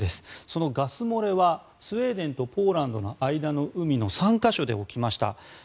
そのガス漏れはスウェーデンとポーランドの間の海の３か所で起きました。